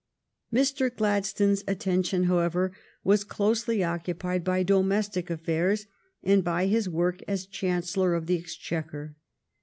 Mr. Gladstone's attention, however, was closely occupied by domestic affairs and by his work as Chancellor of the Exchequer.